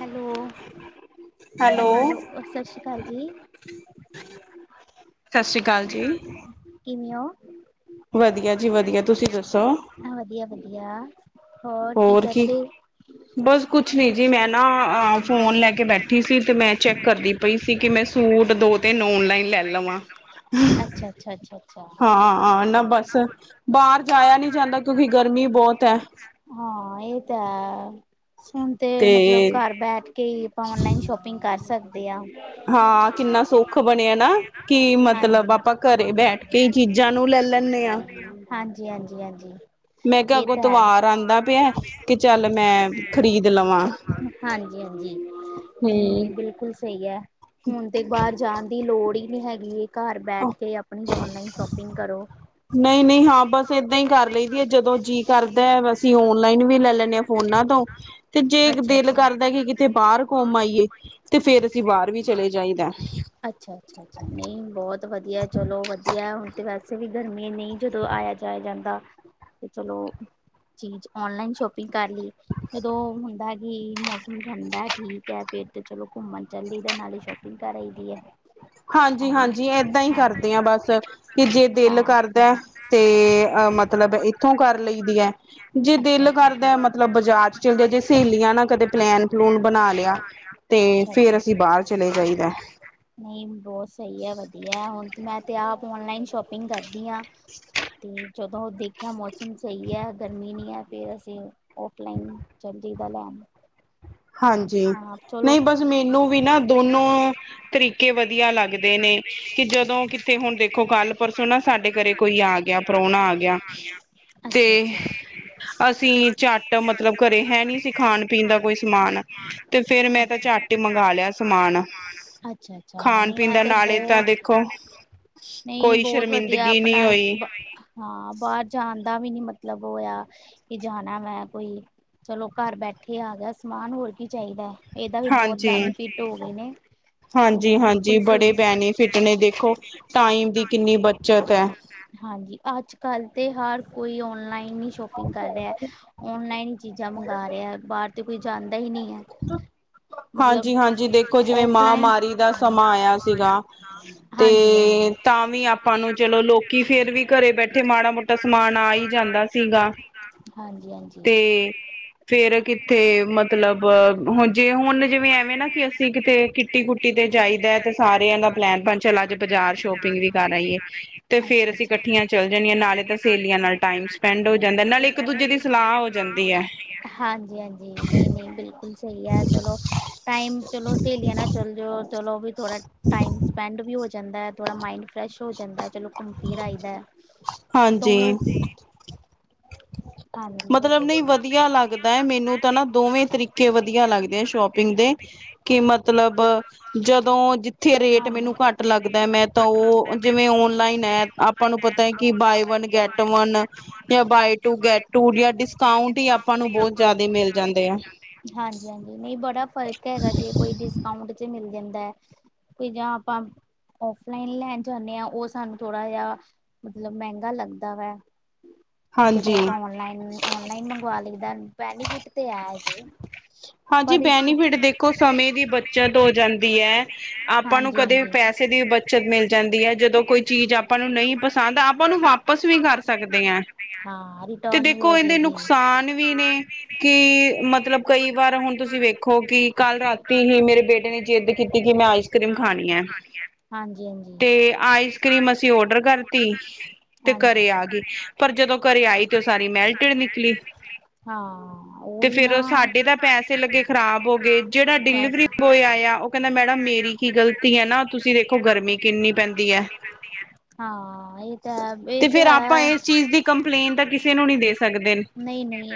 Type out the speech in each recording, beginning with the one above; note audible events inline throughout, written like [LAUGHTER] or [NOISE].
Hello hello, ਸਤਿ ਸ਼੍ਰੀ ਅਕਾਲ ਜੀ। [INAUDIBLE] ਅਕਾਲ ਜੀ। ਕਿਵੇ ਓ? ਵਧੀਆ ਜੀ ਵਧੀਆ ਤੁਸੀਂ ਦੱਸੋ? ਵਧੀਆ ਵਧੀਆ ਹੋਰ ਕੀ ਬਸ ਕੁਛ ਨੀ ਜੀ ਮੈਂ ਨਾ ਫੋਨ ਲੈ ਕੇ ਬੈ, ਠੀ ਸੀ ਤੇ ਮੈਂ ਚੈੱਕ ਕਰਦੀ ਪਈ ਸੀ ਕਿ ਮੈਂ ਸੂਟ ਦੋ ਤਿੰਨ ਓਨਲਾਈਨ ਲੈ ਲਵਾਂ। ਅੱਛਾ ਅੱਛਾ, ਅੱਛਾ ਅੱਛਾ। ਹਾਂ ਨਾ ਬਸ ਬਾਹਰ ਜਾਇਆ ਨੀ ਜਾਂਦਾ ਕਿਉਂਕਿ ਗਰਮੀ ਬਹੁਤ ਐ। ਹਾਂ, ਇਹ ਤਾਂ ਹੈ ਹੁਣ ਤੇ ਮਤਲਬ ਘਰ ਬੈਠ ਕੇ ਹੀ ਆਪਾਂ ਓਨਲਾਈਨ ਸ਼ੋਪਿੰਗ ਕਰ ਸਕਦੇ ਹਾਂ। ਹਾਂ ਕਿੰਨਾ ਸੌਖ ਬਣਿਆ ਨਾ। ਕੀ ਹਾਂਜੀ ਮਤਲਬ, ਆਪਾਂ ਘਰੇ ਬੈਠ ਕੇ ਹੀ ਚੀਜ਼ਾਂ ਨੂੰ ਲੈ ਲੈਂਦੇ ਹਾਂ। ਹਾਂਜੀ ਹਾਂਜੀ ਹਾਂਜੀ ਮੈਂ ਕਿਹਾ, ਇਹ ਅਗੋਂ ਤਾਂ ਹੈ ਐਤਵਾਰ ਆਉਂਦਾ ਪਿਆ। ਕਿ ਚੱਲ ਮੈਂ ਖਰੀਦ ਲਵਾਂ ਹਾਂਜੀ ਹਾਂਜੀ, ਨਹੀਂ ਨਹੀਂ ਹਮ ਬਿਲਕੁਲ ਸਹੀ ਐ। ਹੁਣ ਤੇ ਬਾਹਰ ਜਾਣ ਦੀ ਲੋੜ ਹੀ ਨੀ ਹੈਗੀ। ਘਰ ਬੈਠ ਕੇ ਆਪਣੀ ਔਨਲਾਈਨ ਸ਼ੋਪਿੰਗ ਕਰੋ। ਨਹੀਂ-ਨਹੀਂ ਹਾਂ, ਬਸ ਏਦਾਂ ਹੀ ਕਰ ਲਈਦੀ ਹੈ, ਜਦੋਂ ਜੀਅ ਕਰਦਾ ਅਸੀਂ ਔਨਲਾਈਨ ਵੀ ਲੈ ਲੈਂ ਨੇਆਂ ਫੋਨਾਂ ਤੋਂ, ਤੇ ਜੇ ਅੱਛਾ ਦਿਲ ਕਰਦਾ, ਕਿ ਕਿਤੇ ਬਾਹਰ ਘੁੰਮ ਆਈਏ ਤੇ ਫੇਰ ਤੇ ਬਾਹਰ ਵੀ ਚਲੇ ਜਾਈਦਾ। ਅੱਛਾ ਅੱਛਾ [UNINTELLIGIBLE] ਬਹੁਤ ਵਧੀਆ ਚਲੋ ਵਧੀਆ ਹੁਣ ਤੇ [UNINTELLIGIBLE] ਕਿਸੇ ਵੀ ਗਰਮੀ ਨਹੀਂ, ਜਦੋਂ ਆਇਆ-ਜਾਇਆ ਜਾਂਦਾ ਤੇ ਚਲੋ ਚੀਜ਼ ਔਨਲਾਈਨ ਸ਼ੋਪ ਕਰ ਲਈ ਜਦੋਂ ਹੁੰਦਾ ਕਿ ਮੌਸਮ ਠੰਡਾ ਠੀਕ ਹੈ, ਫੇਰ ਤੇ ਚਲੋ ਘੁੰਮਨ ਜਲਦੀ ਦੇ ਨਾਲੇ ਸ਼ਾਪਿੰਗ ਕਰ ਆਈ ਏ। ਹਾਂਜੀ-ਹਾਂਜੀ ਏਦਾਂ ਹੀ ਕਰਦੇ ਹਾਂ ਬਸ। ਕਿ ਜੇ ਦਿਲ ਕਰਦਾ ਤੇ, ਅ ਮਤਲਬ ਇੱਥੋਂ ਕਰ ਲਈਦੀ ਏ। ਜੇ ਅੱਛਾ ਦਿਲ ਕਰਦਾ ਮਤਲਬ, ਬਾਜ਼ਾਰ ਚ ਚੱਲਦੇ ਜੇ ਸਹੇਲੀਆਂ ਨਾਲ ਕਦੇ ਪਲੈਨ-ਪਲੂਨ ਬਨਾ ਲਿਆ। ਤੇ ਅੱਛਾ ਫੇਰ ਅਸੀਂ ਬਾਹਰ ਚਲੇ ਜਾਈਦੇ। ਨਹੀਂ ਬਹੁਤ ਸਹੀ ਹੈ, ਵਧੀਆ ਹੁਣ ਮੈਂ ਤੇ ਆਪ ਔਨਲਾਈਨ ਸ਼ੋਪਿੰਗ ਕਰਦੀ ਆਂ। ਤੇ ਜਦੋਂ ਦੇਖਿਆ ਮੌਸਮ ਸਹੀ ਹੈ, ਗਰਮੀ ਨੀ ਹੈ ਫੇਰ ਅਸੀਂ ਔਫਲਾਈਨ ਚਲ ਜਾਇਦਾ ਲੈਣ। ਹਾਂਜੀ, ਹਾਂ ਚਲੋ ਨਹੀਂ ਬਸ ਮੈਨੂੰ ਵੀ ਨਾ ਦੋਨੋ। ਤਰੀਕੇ ਵਧੀਆ ਲੱਗਦੇ ਨੇ। ਕਿ ਜਦੋਂ ਕਿਥੇ, ਹੁਣ ਦੇਖੋ ਕੱਲ-ਪਰਸੋਂ ਨਾ ਸਾਡੇ ਘਰੇ ਕੋਈ ਆ ਗਿਆ, ਪ੍ਰਾਹੁਣਾ ਆ ਗਿਆ। ਤੇ ਅੱਛਾ-ਅੱਛਾ। ਅਸੀਂ ਝੱਟ ਮਤਲਬ ਘਰੇ ਹੈ ਨਹੀਂ ਸੀ, ਖਾਣ-ਪੀਣ ਦਾ ਕੋਈ ਸ ਸਮਾਨ, ਤੇ ਫੇਰ ਮੈਂ ਤਾਂ ਝੱਟ ਮੈ ਝੱਟ ਹੀ ਮੰਗਾ ਲਿਆ ਸਮਾਨ, ਅੱਛਾ-ਅੱਛਾ ਖਾਣ ਨਹੀ ਪੀਣ ਐ, ਦਾ ਤੇ ਨਾਲੇ ਤਾਂ ਬਹੁਤ ਦੇਖੋ [UNINTELLIGIBLE] ਨਹੀਂ ਕੋਈ ਬਹੁਤ ਵਧੀਆ ਸ਼ਰਮਿੰਦਗੀ ਨਹੀਂ ਆਪਣਾ ਹੋਈ [UNINTELLIGIBLE] ਹਾਂ, ਬਾਹਰ ਜਾਣ ਦਾ ਵੀ ਨੀ ਮਤਲਬ ਹੋਇਆ, ਕਿ ਜਾਣਾ ਮੈਂ ਕੋਈ। ਚਲੋ ਘਰ ਬੈਠੇ ਆ ਗਿਆ, ਸਮਾਨ ਹੋਰ ਕੀ ਚਾਹੀਦਾ ਏ ਇਹਦਾ ਵੀ ਬਹੁਤ ਹਾਂਜੀ, ਬੈਨੀਫਿਟ ਹੋ ਗਏ ਨੇ। ਹਾਂਜੀ-ਹਾਂਜੀ ਬੜੇ ਸਈ ਬੈਨੀਫਿਟ ਨੇ ਦੇਖੋ। ਟਾਈਮ ਦੀ ਕਿੰਨੀ ਬੱਚਤ ਐ। [UNINTELLIGIBLE] ਹਾਂਜੀ ਅੱਜ-ਕੱਲ ਤੇ, ਹਰ ਕੋਈ ਔਨਲਾਈਨ। ਇਂਨੀ ਸ਼ੋਪਿੰਗ ਕਰ ਰਿਹਾ, ਔਨਲਾਈਨ ਹੀ ਚੀਜ਼ਾਂ ਮੰਗਾ ਰਿਹਾ ਬਾਹਰ ਤੇ ਕੋਈ ਜਾਂਦਾ ਹੀ ਨੀ ਹੈ। [UNINTELLIGIBLE] ਹਾਂਜੀ-ਹਾਂਜੀ ਦੇਖੋ ਜਿਵੇਂ, ਔਫਲਾਈਨ ਮਾਹਮਾਰੀ ਦਾ ਸਮਾਂ ਆਇਆ ਸੀਗਾ। ਹਾਂਜੀ-ਹਾਂਜੀ, ਤੇ ਤਾਂ ਵੀ ਆਪਾਂ ਨੂੰ ਚਲੋ ਲੋਕੀ ਫੇਰ ਵੀ ਘਰੇ ਬੈਠੇ ਮਾੜਾ- ਮੋਟਾ ਤੇ, ਸਮਾਨ ਆ ਹੀ ਜਾਂਦਾ ਸੀਗਾ ਹਾਂਜੀ-ਹਾਂਜੀ। ਤੇ, ਫੇਰ ਕਿੱਥੇ, ਮਤਲਬ ਹੋਨ ਜੇ ਹੁਣ ਜਿਵੇਂ, ਐਵੇਂ ਨਾ ਕਿ ਅਸੀਂ ਕਿਤੇ ਕਿੱਟੀ-ਕੁੱਟੀ ਤੇ ਜਾਈਦਾ, ਤੇ ਸਾਰਿਆਂ ਦਾ ਪਲੈਨ ਬਣ ਚਲਾ ਅੱਜ ਬਾਜ਼ਾਰ ਸ਼ੋਪ ਪਿੰਗ ਵੀ ਕਰ ਆਈ ਏ ਤੇ ਫੇਰ ਅੱਛਾ-ਅੱਛਾ ਅਸੀਂ ਇਕੱਠੀਆਂ ਚੱਲ, ਜਾਂਨਿਆ ਨਾਲੇ ਤਾਂ ਸਹੇਲੀਆਂ ਨਾਲ ਟਾਈਮ ਸਪੈਂਡ ਹੋ ਜਾਂਦਾ ਨਾਲੇ ਇੱਕ-ਦੂਜੇ ਦੀ ਸਲਾਹ ਹੋ ਜਾਂਦੀ ਹੈ। ਹਾਂਜੀ-ਹਾਂਜੀ, ਨਹੀਂ-ਨਹੀਂ ਬਿਲਕੁਲ ਸਹੀ ਆ ਚਲੋ ਟਾਈਮ ਚਲੋ ਸਹੇਲੀਆਂ ਨਾਲ ਚੱਲ ਜਾਓ। ਚਲੋ ਵੀ ਥੋੜਾ ਟਾਈਮ ਸਪੈਂਡ ਵੀ ਹੋ ਜਾਂਦਾ ਹੈ, ਥੋੜਾ ਮਾਇੰਡ ਫਰੈਸ਼ ਹੋ ਜਾਂਦਾ ਏ। ਚਲੋ ਘੁੰਮ ਫਿਰ ਆਈਦੈ ਦੋਵੇਂ, ਹਾਂਜੀ ਹਾਂਜੀ। ਮਤਲਬ ਨਈ ਵਧੀਆ ਲੱਗਦਾ ਏ, ਮੈਨੂੰ ਤਾਂ ਨਾ ਦੋਵੇਂ ਤਰੀਕੇ ਵਧੀਆ ਲੱਗਦੇ ਆ ਸ਼ੋਪ ਕਿੰਦੇ ਕਿ ਮਤਲਬ ਜਦੋਂ ਜਿੱਥੇ ਰੇਟ ਹਾਂ ਮੈਨੂੰ ਘੱਟ ਲੱਗਦਾ ਏ, ਮੈਂ ਤਾਂ ਉਹ ਜਿਵੇਂ ਓਨਲਾਈਨ ਹੈ ਆਪਾਂ ਨੂੰ ਪਤਾ ਹੈ, ਕਿ ਬਾਏ ਵਨ-ਗੈਟ ਵਨ। ਯਾ, ਬਾਏ ਟੂ-ਗੈਟ ਟੂ। [UNINTELLIGIBLE] ਡਿਸਕਾਊਂਟ ਹੀ ਆਪਾਂ ਨੂੰ, ਬਹੁਤ ਜਿਆਦੇ ਮਿਲ ਜਾਂਦੇ ਆ। ਹਾਂਜੀ ਹਾਂਜੀ ਨਹੀਂ ਬੜਾ ਫ਼ਰਕ ਹੈਗਾ, ਜੇ ਕੋਈ ਡਿਸਕਾਊਂਟ ਚ ਮਿਲ ਜਾਂਦਾ ਐ, ਕੋਈ ਜਾਂ ਆਪਾਂ ਔਫਲਾਈਨ ਲੈਣ ਜਾਂਨੇ ਆਂ ਉਹ ਸਾਨੂੰ ਥੋੜਾ ਜਿਹਾ ਮਤਲਬ ਮਹਿੰਗਾ ਲੱਗਦਾ ਵੈ। ਤੇ ਫੇਰ ਹਾਂਜੀ, ਔਨਲਾਈਨ -ਔਨਲਾਈਨ ਮੰਗਵਾ ਲਈਦਾ ਬੈਨੀਫਿਟ ਤੇ ਹੈ ਇਹਦੇ। [UNINTELLIGIBLE] ਹਾਂਜੀ ਪਰ ਬੈਨ [UNINTELLIGIBLE] ਆਪਾਂ ਨੂੰ ਹਾਂਜੀ ਕਦੇ ਹਾਂਜੀ ਪੈਸੇ ਦੀ ਬੱਚਤ ਮਿਲ ਜਾਂਦੀ ਹੈ, ਜਦੋਂ ਕੋਈ ਚੀਜ਼ ਆਪਾਂ ਨੂੰ ਨਹੀਂ ਪਸੰਦ ਆਪਾਂ ਨੂੰ ਵਾਪ ਵਪਸ ਵੀ ਕਰ ਸਕਦੇ ਹ ਹੀ [UNINTELLIGIBLE] ਤੇ ਦੇਖੋ ਇਹਦੇ ਨੁਕਸਾਨ ਵੀ ਨੇ ਕੀ ਮਤਲਬ ਕਈ ਵਾਰ ਹੁਣ ਤੁਸੀਂ ਵੇਖ ਦੇਖੋ ਕਿ ਕੱਲ ਰਾਤੀ ਹੀ ਮੇਰੇ ਬੇਟੇ ਨੇ ਜਿੱਦ ਕੀਤੀ ਕਿ ਮੈਂ ਆਈਸ ਕਰ੍ਰੀਮ ਖਾਣੀ ਹੈ ਹਾਂਜੀ ਹਾਂਜੀ ਤੇ ਆਈਸ ਕਰ੍ਰੀਮ ਅਸੀਂ ਔਡਰ ਕਰਤੀ ਹ ਘਰੇ ਆ ਗ ਪਰ ਜਦੋਂ ਘਰੇ ਆਈ ਤੇ ਸਾਰੀ ਮੈਲਟ ਨਿਕਲੀ ਤੇ ਫੇਰ ਉਹ ਸਾਡੇ ਦਾ ਪੈਸਾ ਲੱਗੇ ਖ਼ਰਾਬ ਹੋ ਗਏ ਜਿਹੜਾ ਬਸ ਡਿਲੀਵਰੀ ਬੋਏ ਆਇਆ ਉਹ ਕਹਿੰਦਾ ਮੈਡਮ ਮੇਰੀ ਕੀ ਗਲਤੀ ਧੀਆਂ ਨਾ ਤੁਸੀਂ ਦੇਖੋ ਗਰਮੀ ਕਿੰਨੀ ਪੈਂਦੀ ਹੈ ਹਾਂ ਇਹ ਤਾਂ ਹੈ ਇਹ ਤੇ ਤਾਂ ਫੇਿਰ ਆਪਾਂ ਹੈ ਇਸ ਚੀਜ਼ ਦੀ ਕੰਪਲੇਨ ਤਾਂ ਕਿਸੇ ਨੂੰ ਨਹੀਂ ਦੇ ਸਕਦੇ ਨਹੀਂ ਨਹੀਂ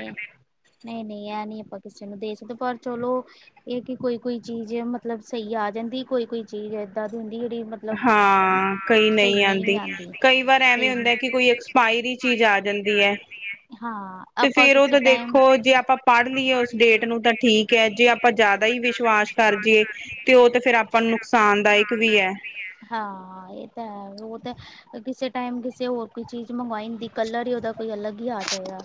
ਨਹੀਂ ਨਹੀਂ ਇਹ ਨਹੀਂੀ ਆਪਾਂ ਕਿਸੇ ਨੂੰ ਦੇ ਸਕਦੇ ਪਰ ਚਲੋ ਇਹ ਕਿ ਕੋਈ ਕੋਈ ਚੀਜ਼ ਮਤਲਬ ਸਹੀ ਆ ਜਾਂਦੀ ਕੋਈ ਕੋਈ ਚੀਜ਼ ਏਦਾਂ ਦੀ ਹੁੰਦੀ ਜਿਹੜੀ ਮਤਲਬ ਲਬ ਹਾਂ ਕਈ ਸ ਨਹੀਂ ਆਂਦੀ ਆਂ ਪਾਣੀ ਕਈ ਵਾਰ ਐਵੇਂ ਚ ਹੁੰਦਾ ਕਿ ਕੋਈ ਐਕਸਪਾਇਰੀ ਚੀਜ਼ ਆ ਜਾਂਦੀ ਐ। [UNINTELLIGIBLE] ਹਾਂ ਤੇ ਆਪਾਂ ਫੇਰ ਕਿਸ ਉਹ ਤਾਂ ਟਾਈਮ ਦੇਖੋ ਜੇ ਆਪਾਂ ਪੜ੍ਹ ਲਈਏ ਉਸ ਡੇਟ ਨੂੰ ਤਾਂ ਠੀਕ ਹੈ ਜੇ ਆਪਾਂ ਜ਼ਿਆਦਾ ਹੀ ਵਿਸ਼ਵਾਸ ਕਰ ਜਏ ਤੇ ਉਹ ਤੇ ਫੇਿਰ ਆਪਾਂ ਨੂੰ ਨੁਕਸਾਨਦਾਇਕ ਵੀ ਹੈ ਹਾਂ ਇਹ ਤਾਂ ਹੈ ਉਹ ਤਾਂ ਕਿਸੇ ਟਾਈਮ ਕਿਸੇ ਹੋਰ ਕੋਈ ਚੀਜ਼ ਮੰਗਵਾਈ ਹਦੀ ਕਲਰ ਹੀ ਉਹਦਾ ਕੋਈ ਅਲੱਗ ਹੀ ਆ ਜਾਏਗਾ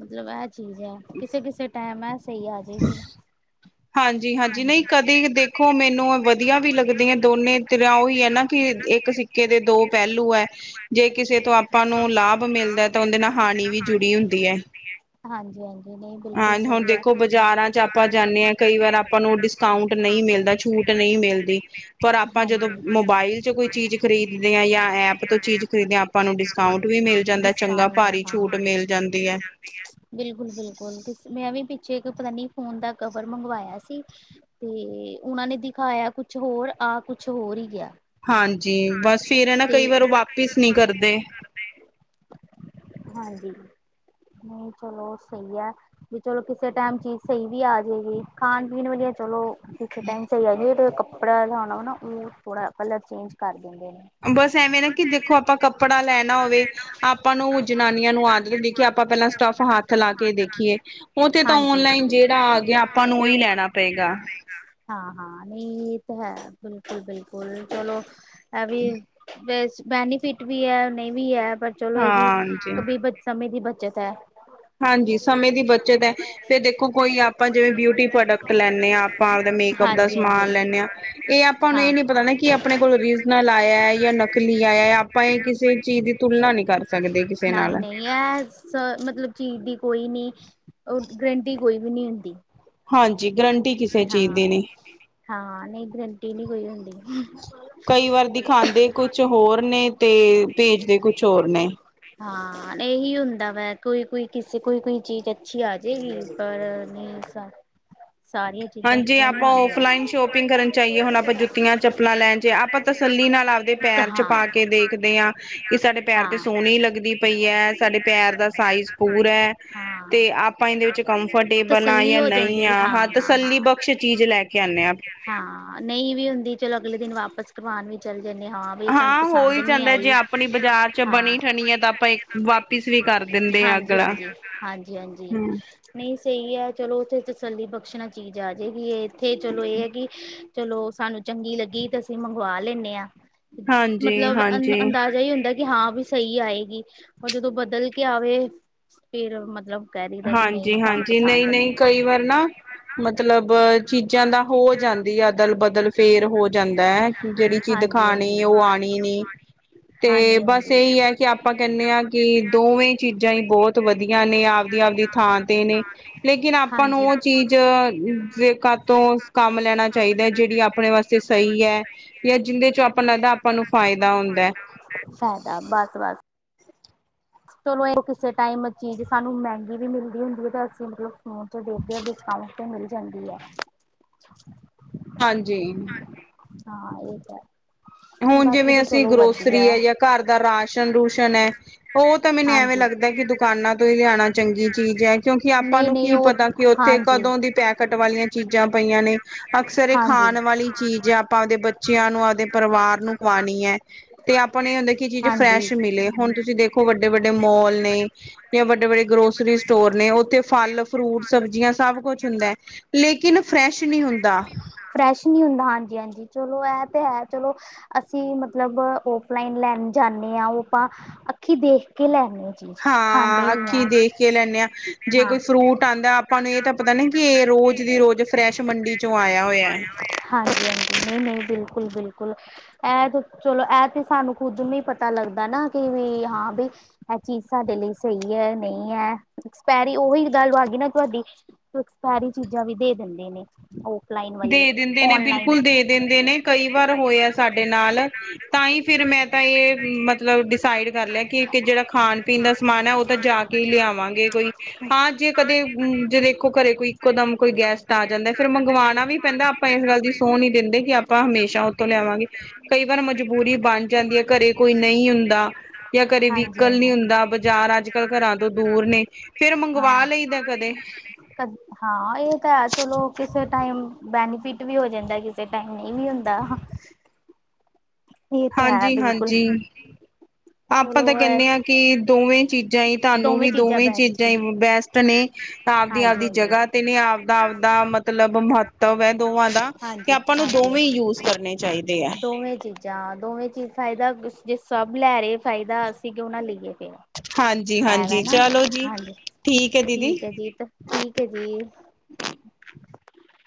ਮਤਲਬ ਇਹ ਚੀਜ਼ ਹੈ ਕਿਸੇ ਕਿਸੇ ਟਾਈਮ ਹੈ ਸਹੀ ਆ ਜਾਏਗੀ ਹਾਂਜੀ ਹਾਂਜੀ ਨਹੀਂ ਕਦੇ ਦੇਖੋ ਮੈਨੂੰ ਵਧੀਆ ਵੀ ਲੱਗਦੀ ਹੈ ਦੋਨੇ ਤਿਰ ਉਹੀ ਹੈ ਨਾ ਕਿ ਇੱਕ ਸਿੱਖ ਦੇ ਦੋ ਪਹਿਲੂ ਹੈ ਜੇ ਕਿਸੇ ਤੋਂ ਆਪਾਂ ਨੂੰ ਲਾਭ ਮਿਲਦਾ ਤਾਂ ਉਹਦੇ ਨਾਲ ਹਾਣੀ ਵੀ ਜੁੜੀ ਹੁੰਦੀ ਦੀ ਹੈ ਹਾਂਜੀ ਹਾਂਜੀ ਨਹੀਂ ਬਿਲਕੁਲ ਹਾਂਜੀ ਹੁਣ ਸਹੀ ਹੈ ਦੇਖੋ ਬਾਜ਼ਾਰਾਂ ਚ ਆਪ ਆਪਾਂ ਜਾਂਦੇ ਹਾਂ ਕਈ ਵਾਰ ਆਪਾਂ ਨੂੰ ਡਿਸਕਾਊਂਟ ਨਹੀਂ ਮਿਲਦਾ ਛੂਟ ਨਹੀਂ ਮਿਲਦੀ ਪਰ ਆਪਾਂ ਜਦੋਂ ਹਾਂਜੀ ਮੋਬਾਇਲ ਚੋਂ ਕੋਈ ਚੀਜ਼ ਖਰੀਦਦੇ ਹਾਂ ਜਾਂ ਐਪ ਤੋਂ ਚੀਜ਼ ਖਰੀਦਦੇ ਹਾਂ ਆਪਾਂ ਨੂੰ ਡਿਸਕਾਊਟ ਵੀ ਮਿਲ ਜਾਂਦਾ ਚੰਗਾ ਡਿਸਕਾਊਂਟ ਆ ਭਾਰੀ ਛੂਟ ਮਿਲ ਜਾਂਦੀ ਹੈ ਬਿਲਕੁਲ ਬਿਲਕੁਲ ਤੇ ਮੈਂ ਵੀ ਪਿੱਛੇ ਇੱਕ ਪਤਾ ਨੀ ਫੋਨ ਦਾ ਕਵਰ ਮੰਗਵਾਇਆ ਸੀ ਤੇ ਉਹਨਾਂ ਨੇ ਦਿਖਾਇਆ ਕੁਛ ਹੋਰ ਆਹ ਕੁਛ ਹੋਰ ਹੀ ਗਿਆ ਹਾਂਜੀ ਬਸ ਫੇਿਰ ਹੈ ਨਾ ਤੇ ਕਈ ਵਾਰ ਉਹ ਵਾਪਿਸ ਨਹੀਂੀ ਕਰਦੇ ਹਾਂਜੀ ਨਹੀਂ ਚਲੋ ਸਹੀ ਹੈ ਵੀ ਚਲੋ ਕਿਸੇ ਟਾਈਮ ਚੀਜ਼ ਸਹੀ ਵੀ ਆ ਜਾ ਖਾਣ ਪੀਣ ਵਧੀਆ ਚਲੋ ਕਿਸੇ ਟਾਈਮ ਸਹੀ ਆ ਜਾ ਕੱਪੜਾ ਜਾਉਣਾ ਵਾ ਨਾ ਉਹ ਥੋੜ੍ਹਾ ਪਲਰ ਚੇਂਜ ਕਰ ਦਿੰਦੇ ਨੇ ਬਸ ਐਵੇਂ ਨਾ ਕਿ ਦੇਖੋ ਆਪਾਂ ਕੱਪੜਾ ਲੈਣਾ ਹੋਵੇ ਆਪਾਂ ਨੂੰ ਜਨਾਨੀਆਂ ਨੂੰ ਆਦਤ ਦੇਖੀਏ ਆਪਾਂ ਪਹਿਲਾਂ ਸਟੱਫ ਹੱਥ ਲਾ ਕੇ ਦੇਖੀਏ ਉਹ ਤੇ ਤਾਂ ਹਾਂਜੀ ਓਨਲਾਈਨ ਜਿਹੜਾ ਆ ਗਿਆ ਆਪਾਂ ਨੂੰ ਉਹੀ ਲੈਣਾ ਪਏਗਾ ਹਾਂ ਹਾਂ ਨਹੀਂ ਇਹ ਤਾਂ ਹੈ ਬਿਲਕੁਲ ਬਿਲਕੁਲ ਚਲੋ ਹੈ ਵੀ ਬੈਨੀਫਿਟ ਵੀ ਹੈ ਨਹੀਂ ਵੀ ਹੈ ਪਰ ਚਲੋ ਇਹਗੀ ਹਾਂਜੀ ਕ ਸਮੇਂ ਦੀ ਬੱਚਤ ਹੈ ਹਾਂਜੀ ਸਮੇਂ ਦੀ ਬੱਚਤ ਹੈ ਫੇਰ ਦੇਖੋ ਕੋਈ ਆਪ ਆਪਾਂ ਜਿਵੇਂ ਬਿਊਟੀ ਪ੍ਰੋਡਕਟ ਲੈਂਦੇ ਹਾਂ ਆਪਾਂ ਆਪਦਾ ਮੇਕਅਪ ਦਾ ਹਾਂਜੀ ਹਾਂਜੀ ਸਮਾਨ ਲੈਂਦੇ ਹਾਂ ਇਹ ਆਪ ਆਪਾਂ ਨੂੰ ਹਾਂ ਇਹ ਨ ਪਤਾ ਨਾ ਕਿ ਆਪਣੇ ਕੋਲ ਰੀਜਨਲ ਆਇਆ ਜਾਂ ਨਕਲੀ ਆਇਆ ਆਪਾਂ ਇਹ ਕਿਸੇ ਚੀਜ਼ ਦੀ ਤੁਲਨਾ ਨਹੀਂ ਕਰ ਸਕਦੇ ਕਿਸੇ ਨਹੀਂ ਨਾਲ ਨਹੀਂ ਇਹ ਸ ਮਤਲਬ ਚੀਜ਼ ਦੀ ਕੋਈ ਨੀ, ਉਹ ਗਰੰਟੀ ਕੋਈ ਵੀ ਨਹੀਂ ਹੁੰਦੀ ਹਾਂਜੀ, ਗਰੰਟੀ ਕਿਸੇ ਚੀਜ਼ ਹਾਂ ਦੀ ਨਹੀਂ ਹਾਂ ਨਹੀਂ ਗਰੰਟੀ ਨਹੀ ਕੋਈ ਹੁੰਦੀ ਕਈ ਵਾਰ ਦਿਖਾਉਂਦੇ ਕੁਛ ਹੋਰ ਨੇ, ਤੇ ਭੇਜਦੇ ਕੁਛ ਹੋਰ ਨੇ ਹਾਂ ਇਹੀ ਹੁੰਦਾ ਵਾ, ਕੋਈ -ਕੋਈ ਕਿਸੇ ਕੋਈ ਕੋਈ ਚੀਜ਼ ਅੱਛੀ ਆ ਜਾਏਗੀ ਪਰ ਨਹੀਂ ਅੱਛਾ। ਸਾਰੀਆਂ 'ਚ। ਹਾਂਜੀ। ਆਪਾਂ। ਔਫਲਾਈਨ। ਸ਼ੋਪਿੰਗ। ਕਰਨ। ਜਾਈਏ। ਹੁਣ। ਆਪਾਂ। ਜੁੱਤੀਆਂ। ਚੱਪਲਾਂ। ਲੈਣ। ਜ। ਆਪਾਂ। ਤਸੱਲੀ। ਨਾਲ। ਆਪਦੇ। ਪੈਰ 'ਚ ਹਾਂ ਪਾ ਕੇ ਦੇਖਦੇ ਹਾਂ ਕਿ ਸਾਡੇ ਪੈਰ ਤੇ ਹਾਂ ਸੋਹਣੀ ਲੱਗਦੀ ਪਈ ਹੈ। ਸਾਡੇ ਪੈਰ ਦਾ ਸਾਈਜ਼ ਪੂਰਾ ਹੈ। ਤੇ ਹਾਂ ਆਪਾਂ ਇਹਦੇ ਵਿੱਚ ਕੰਫਰਟੇਬਲ। ਨਾ। ਜਾਂ। ਨਹੀਂ। ਆ। ਹਾਂ। ਤਸੱਲੀ। ਬਖਸ਼। ਚੀਜ਼। ਲੈ। ਕੇ। ਆਉਂਦੇ। ਹਾਂ। ਹਾਂ। ਨਹੀਂ। ਵੀ। ਹੁੰਦੀ। ਚਲੋ। ਅਗਲੇ। ਦਿਨ। ਵਾਪਿਸ ਕਰਵਾਉਣ ਵੀ ਚੱਲ ਜਾਂਦੇ ਹਾਂ ਵੀ ਸਾਨੂੰ ਹਾਂ। ਹੋ। ਪਸੰਦ ਹੀ। ਨਹੀਂ ਜਾਂਦਾ। ਜੇ। ਆਈ ਆਪਣੀ। ਬਾਜ਼ਾਰ। ਚ। ਬਣੀ। ਠਣੀ। ਹੈ। ਤਾਂ। ਆਪਾਂ। ਵਾਪਿਸ। ਵੀ ਕਰ ਦਿੰਦੇ ਆ ਅਗਲਾ ਹਾਂਜੀ-ਹਾਂਜੀ। ਹਾਂਜੀ-ਹਾਂਜੀ। ਹਮ ਨਹੀਂ। ਸਹੀ। ਹੈ। ਚਲੋ। ਉੱਥੇ। ਤਸੱਲੀ। ਬਖਸ਼ਣਾ। ਚੀਜ਼। ਆ। ਜਾਏਗੀ। ਇੱਥੇ। ਚਲੋ। ਇਹ। ਹੈ। ਕਿ। ਚਲੋ। ਸਾਨੂੰ। ਚੰਗੀ। ਲੱਗੀ। ਤੇ। ਅਸੀਂ। ਮੰਗਵਾ। ਲੈਂਦੇ। ਹਾਂ। ਹਾਂਜੀ ਮਤਲਬ। ਅ। ਹਾਂਜੀ ਅੰਦਾਜ਼ਾ। ਇਹੀ। ਹੁੰਦਾ। ਕਿ। ਹਾਂ। ਵੀ। ਸਹੀ। ਆਏਗੀ। ਪਰ। ਜਦੋਂ। ਬਦਲ। ਕੇ। ਆਵੇ। ਫਿਰ। ਮਤਲਬ। ਕਹਿ। ਦਿੰਦਾ। ਕਿ। ਨਹੀਂ। ਸਾਨੂੰ। ਹਾਂਜੀ-ਹਾਂਜੀ ਪਸੰਦ। ਨਈ-ਨਈ ਨਹੀਂ।। ਕਈ। ਵਾਰ। ਨਾ। ਮਤਲਬ। ਚੀਜ਼ਾਂ ਦਾ ਹੋ ਜਾਂਦੀ ਅਦਲ ਬਦਲ ਫੇਰ ਹੋ ਜਾਂਦਾ ਹੈ। ਜਿਹੜੀ ਚੀਜ ਹਾਂਜੀ ਖਾਣੀ। ਹਾਂਜੀ ਉਹ। ਆਉਣੀ। ਨੀ। ਤੇ ਹਾਂਜੀ ਹਾਂਜੀ ਬਸ ਇਹੀ ਹੈ। ਕਿ ਆਪਾਂ ਕਹਿੰਦੇ ਹਾਂ ਕਿ ਦੋਵੇਂ ਚੀਜ਼ਾਂ ਹੀ ਬਹੁਤ ਵਧੀਆ ਨੇ ਆਪ। ਦੀ। ਥਾਂ। ਤੇ। ਨੇ। ਲੇਕਿਨ। ਆਪਾਂ। ਨੂੰ। ਹਾਂਜੀ ਉਹ। ਚੀਜ਼। ਘਰ ਤੋਂ ਕੰਮ ਲੈਣਾ ਚਾਹੀਦਾ ਹੈ। ਜਿਹੜੀ ਆਪਣੇ ਵਾਸਤੇ ਸਹੀ ਹੈ। ਜਾਂ। ਜਿਹਦੇ 'ਚ ਆਪਾਂ ਲੱਗਦਾ ਆਪਾਂ ਨੂੰ ਫ਼ਾਇਦਾ ਹੁੰਦਾ ਹ। ਫਾਇਦਾ ਬਸ-ਬਸ। ਚਲੋ ਇਹ ਕਿਸੇ ਟਾਈਮ ਅ ਚੀਜ਼ ਸਾਨੂੰ ਮਹਿੰਗੀ ਵੀ ਮਿਲਦੀ ਹੁੰਦੀ ਹੈ ਤੇ ਅਸੀਂ ਮਤਲਬ। ਮਹ ਤੇ ਦੇਖਦੇ ਆ ਬਚਕਾਮ ਤੇ ਮਿਲ ਜਾਂਦੀ ਹੈ। [UNINTELLIGIBLE] ਹਾਂਜੀ। ਹਾਂ ਇਹ ਤਾਂ ਹੈ। ਹੁਣ ਜਿਵੇਂ ਅਸੀਂ ਗਰੋਸਰੀ ਹੈ ਜਾਂ ਘਰ ਦਾ ਰਾਸ਼ਨ ਰੂਸ਼ਨ ਹੈ। ਉਹ ਤਾਂ ਮੈਨੂੰ ਐਵੇਂ ਹਾਂਜੀ ਲੱਗਦਾ ਕਿ ਦੁਕਾਨਾਂ ਤੋਂ ਹੀ ਲਿਆਉਣਾ ਚੰਗੀ ਚੀਜ਼ ਹੈ। ਕਿਉਂਕਿ ਆਪਾਂ ਨਹੀਂ ਨੂੰ ਨਹੀਂ ਕੀ ਉਹ ਪਤਾ ਕਿ। ਥੇ ਹਾਂਜੀ ਕਦੋਂ ਦੀ ਪੈਕਟ ਵਾਲੀਆਂ ਚੀਜ਼ਾਂ ਪਈਆਂ ਨੇ। ਅਕਸਰ ਇਹ ਹਾਂਜੀ ਖਾਣ ਵਾਲੀ ਚੀਜ਼ ਹੈ, ਆਪਾਂ ਆਪਦੇ ਬੱਚਿਆਂ ਨੂੰ ਆਪਦੇ। ਪਰਿਵਾਰ ਨੂੰ ਖਵਾਉਣੀ ਹੈ, ਤੇ ਆਪਾਂ ਨੂੰ ਇਹ ਹੁੰਦਾ ਕੀ ਇਹ ਚੀਜ਼ ਹਾਂਜੀ ਫਰੈਸ਼ ਮਿਲੇ ਹੁਣ ਤੁਸੀਂ ਦੇਖੋ। ਦੇਖੋ ਵੱਡੇ -ਵੱਡੇ ਮੋਲ ਨੇ ਜਾਂ ਵੱਡੇ -ਵੱਡੇ ਗਰੋਸਰੀਜ਼। ਸਟੋਰ ਨੇ ਉੱਥੇ ਫਲ- ਫਰੂਟ, ਸਬਜ਼ੀਆਂ ਸਭ ਕੁਛ ਹੁੰਦਾ ਹੈ। ਲੇਕਿਨ ਫਰੈਸ਼ ਨਹੀਂ ਹੁੰਦਾ। ਫਰੈਸ਼ ਨਹੀਂ ਹੁੰਦਾ, ਹਾਂਜੀ -ਹਾਂਜੀ ਚਲੋ ਇਹ ਤੇ ਹੈ ਚਲੋ। ਅਸੀਂ ਮਤਲਬ ਔਫਲਾਈਨ ਲੈਣ ਜਾਂਦੇ ਹਾਂ, ਉਹ ਆਪਾਂ ਅੱਖੀਂ ਦੇਖ ਕੇ ਲੈਦੇ ਹ। ਚੀਜ਼ ਖਾਂਦੇ ਹਾਂ ਵੀ ਅੱਖੀਂ ਹ। ਦੇਖ ਕੇ ਲੈਂਦੇ ਆ ਜੇ ਕੋਈ ਫਰੂਟ ਆਉਂਦਾ ਆਪਾਂ ਨੂੰ ਇਹ ਤਾਂ ਪਤਾ ਨਾ ਕਿ ਰੋਜ਼ ਦੀ ਰੋਜ਼ ਫਰੈਸ਼ ਮੰਡੀ। ਚੋਂ ਆਇਆ ਹੋਇਆ ਹੈ। ਹਾਂਜੀ-ਹਾਂਜੀ। ਨਹੀਂ-ਨਹੀਂ ਬਿਲਕੁਲ-ਬਿਲਕੁਲ। ਇਹ ਤੇ ਚਲੋ, ਇਹ ਤੇ ਸਾਨੂੰ ਖੁੱਦ ਨੂੰ ਪਤਾ ਲੱਗਦਾ ਨਾ ਕਿ ਵੀ ਹਾਂ ਬ। ਇਹ ਚੀਜ਼ ਸਾਡੇ ਲਈ ਸਹੀ ਹੈ। ਨਹੀਂ ਹੈ। ਐਕਸਪੈਰੀ ਉਹੀ ਗੱਲ ਆ ਗਈ ਨਾ ਤੁਹਾਡੀ। ਐਕਸਪੈਰੀ ਚੀਜ਼ਾਂ ਵੀ ਦੇ ਦਿੰਦੇ ਨੇ। ਓਫਲਾਈਨ। ਦੇ ਦਿੰਦੇ ਨੇ ਬਿਲਕੁਲ ਦੇ ਦਿੰਦੇ ਨੇ ਕਈ ਵਾਰ ਹੋਇਆ ਸਾਡੇ ਨਾਲ। ਤਾਂ ਹੀ ਫੇਿਰ। ਮੈਂ ਤਾਂ ਇਹ ਮਤਲਬ ਡਿਸਾਈਡ ਕਰ ਲਿਆ ਕਿ ਜਿਹੜਾ ਖਾਣ ਪੀਣ ਦਾ ਸਮਾਨ ਹੈ ਉਹ ਤਾਂ ਜਾ ਕੇ। ਕੀ ਲਿਆਵਾਂਗੇ ਕੋਈ। ਹਾਂ ਜੇ ਕਦੇ ਜੇ ਦੇਖੋ ਘਰੇ ਕੋਈ ਇੱਕੋ ਦਮ ਕੋਈ ਗੈਸਟ ਤਾਂ ਆ ਜਾਂਦਾ ਫੇਿਰ ਮੰਗਵਾਉਣਾ। ਵੀ ਪੈਂਦਾ ਆਪਾਂ ਇਸ ਗੱਲ ਦੀ ਸਹ ਨੀ ਦਿੰਦੇ ਕਿ ਆਪਾਂ ਹਮੇਸ਼ਾ ਉੱਥੋਂ ਲਿਆਵਾਂਗੇ। ਕਈ ਵਾਰ ਮਜਬੂਰੀ ਬਣ ਜਾਂਦੀ ਹੈ ਘਰੇ ਕੋਈ ਨਹੀਂ ਹੁੰਦਾ ਜਾਂ ਘਰੇ ਵੀ ਹਾਂਜੀ ਗੱਲ ਹਾਂਜੀ ਦਾ ਬਾਜ਼ਾਰ ਅੱਜ ਕੱਲ੍ਹ ਘਰਾਂ ਤੋਂ ਦੂਰ ਨੇ ਫੇਿਰ ਮੰਗਵਾ ਲਈਦਾ ਕਦੇ ਹ ਹਾਂ ਇਹ ਤਾਂ ਹੈ ਚਲੋ ਕਿਸੇ ਟਾਈਮ ਬੈਨੀਫਿਟ ਵੀ ਹੋ ਜਾਂਦਾ ਕਿਸੇ ਟਾਈਮ ਨਹੀਂ ਵੀ ਹੁੰਦਾ [INAUDIBLE] ਇਹ ਤਾਂ ਹੈ ਬਿਲਕੁਲ ਹਾਂਜੀ-ਹਾਂਜੀ ਆਪਾਂ ਤਾਂ ਚਲੋ ਕਹਿੰਦੇ ਹਾਂ ਕਿ ਦੋਵੇਂ ਚੀਜ਼ਾਂ ਹੀ ਤੁਹਾਨੂੰ ਵੀ ਦੋਵੇਂ ਚੀਜ਼ਾਂ ਹੀ ਬੈਸਟ ਨੇ ਆਪਦੀ ਹਾਂਜੀ ਆਪਦੀ ਹਾਂਜੀ ਜਗ੍ਹਾ ਤੇ ਨੇ ਆਪਦਾ ਆਪਦਾ ਮਤਲ ਮਤਲਬ ਮਹੱਤਵ ਹੈ ਦੋਵਾਂ ਦਾ ਤੇ ਹਾਂਜੀ ਆਪਾਂ ਨੂੰ ਹਾਂਜੀ ਦੋਵੇਂ ਹੀ ਯੂਜ਼ ਕਰਨੇ ਚਾਹੀਦੇ ਆ ਦੋਵੇਂ ਚੀਜ਼ਾਂ ਦੋਵੇਂ ਚੀਜ਼ ਫਾਇਦਾ ਜੇ ਸਭ ਲੈ ਰਹੇ ਫਾਇਦਾ ਅਸੀ ਕਯੋ ਨਾ ਲਈਏ ਹਾਂਜੀ-ਹਾਂਜੀ ਐਵੇ ਨਾ ਚਲੋ ਜੀ ਠੀਕ ਹੈ ਦੀਦੀ ਠੀਕ ਹੈ ਜੀ